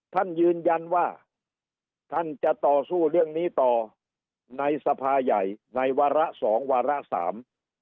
ท่านยืนยันว่าท่านจะต่อสู้เรื่องนี้ต่อในสภาใหญ่ในวาระสองวาระสาม